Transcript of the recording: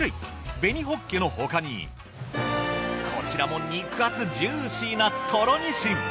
紅ホッケの他にこちらも肉厚ジューシーなトロにしん。